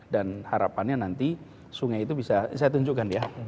dan harapannya nanti sungai itu bisa saya tunjukkan ya